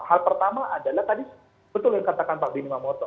hal pertama adalah tadi betul yang katakan pak bimy mamoto